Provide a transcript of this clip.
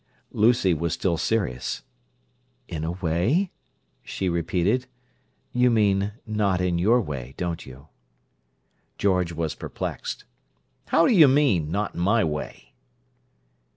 Lucy was still serious. "In a way?'" she repeated. "You mean, not in your way, don't you?" George was perplexed. "How do you mean: not in my way?"